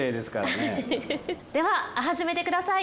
では始めてください